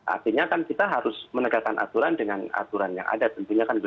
artinya kan kita harus menegakkan aturan dengan aturan yang ada